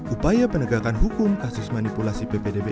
upaya penegakan hukum kasus manipulasi ppdb